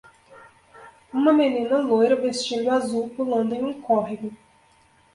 Uma menina loira vestindo azul pulando em um córrego